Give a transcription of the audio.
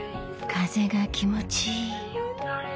風が気持ちいい。